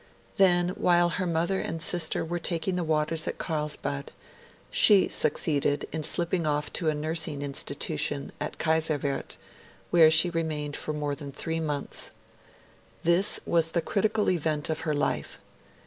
Then, while her mother and sister were taking the waters at Carlsbad, she succeeded in slipping off to a nursing institution at Kaiserswerth, where she remained for more than three months. This was the critical event of her life.